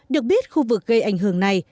được biết khu vực gây ảnh hưởng này